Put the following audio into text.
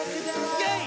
イェイ！